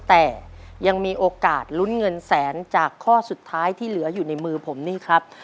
แต่ยังมีโอกาสลุ้นเงินแสนจากข้อสุดท้ายที่เหลืออยู่ในมือผมนี่ครับ